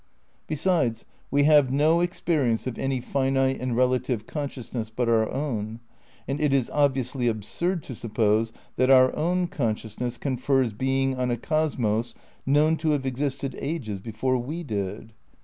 Besides, we have no experience of any finite and relative conscious ness but our own; and it is obviously absurd to sup pose that our own consciousness confers being on a cosmos known to have existed ages before we did.